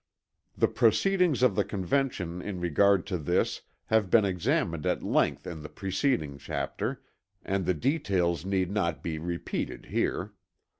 The proceedings of the Convention in regard to this have been examined at length in the preceding chapter and the details need not be repeated here.